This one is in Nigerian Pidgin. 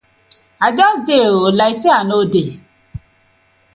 I just dey oo, like say I no dey.